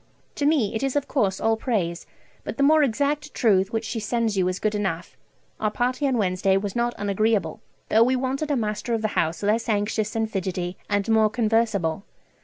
To me it is of course all praise, but the more exact truth which she sends you is good enough .... Our party on Wednesday was not unagreeable, though we wanted a master of the house less anxious and fidgety, and more conversable.